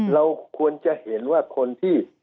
เราควรจะเห็นว่าคนที่